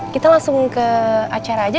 kita langsung ke acara aja